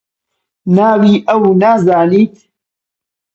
ناوی ئەو نازانیت؟